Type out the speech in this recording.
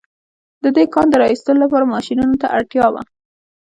د دې کان د را ايستلو لپاره ماشينونو ته اړتيا وه.